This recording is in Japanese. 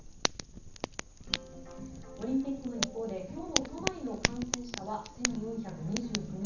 オリンピックの一方で今日の都内の感染者は１４２９人。